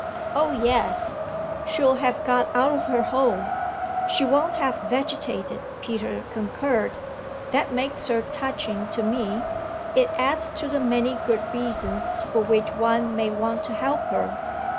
"Oh yes, she'll have got out of her hole she won't have vegetated," Peter concurred. "That makes her touching to me it adds to the many good reasons for which one may want to help her.